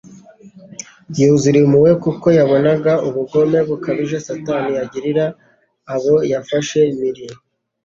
Yuzura impuhwe kuko yabonaga ubugome bukabije Satani agirira abo yafashe mpiri.